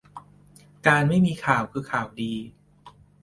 การไม่มีข่าวคือข่าวดี